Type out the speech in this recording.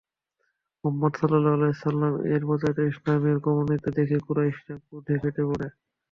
মুহাম্মাদ সাল্লাল্লাহু আলাইহি ওয়াসাল্লাম-এর প্রচারিত ইসলামের ক্রমোন্নতি দেখে কুরাইশরা ক্রোধে ফেটে পড়ে।